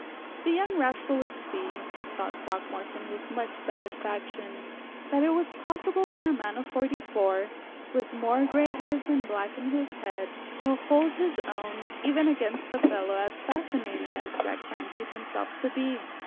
The young rascal would see, thought Throckmorton, with much satisfaction, that it was possible for a man of forty four, with more gray hairs than black in his head, to hold his own even against a fellow as fascinating as Jack fancied himself to be.